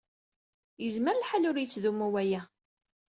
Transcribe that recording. Yezmer lḥal ur yettdumu waya.